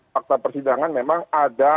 fakta persidangan memang ada